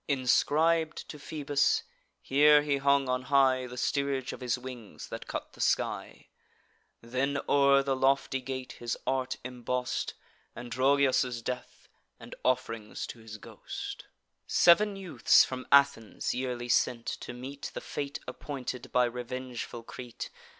Inscrib'd to Phoebus, here he hung on high The steerage of his wings, that cut the sky: Then o'er the lofty gate his art emboss'd Androgeos' death, and off'rings to his ghost; Sev'n youths from Athens yearly sent, to meet The fate appointed by revengeful Crete.